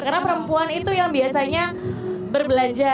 karena perempuan itu yang biasanya berbelanja